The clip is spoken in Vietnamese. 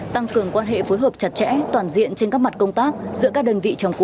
tăng cường quan hệ phối hợp chặt chẽ toàn diện trên các mặt công tác giữa các đơn vị trong cụm